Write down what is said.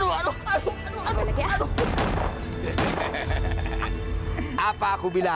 iya jan tapi tapi jan